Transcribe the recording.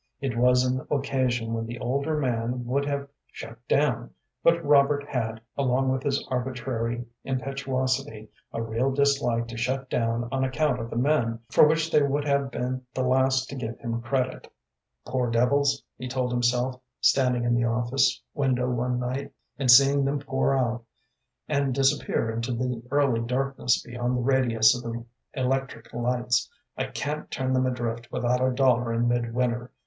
It was an occasion when the older man would have shut down, but Robert had, along with his arbitrary impetuosity, a real dislike to shut down on account of the men, for which they would have been the last to give him credit. "Poor devils," he told himself, standing in the office window one night, and seeing them pour out and disappear into the early darkness beyond the radius of the electric lights, "I can't turn them adrift without a dollar in midwinter.